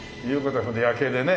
それで夜景でね。